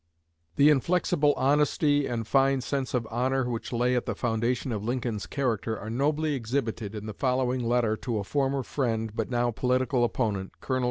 The inflexible honesty and fine sense of honor which lay at the foundation of Lincoln's character are nobly exhibited in the following letter to a former friend but now political opponent, Col.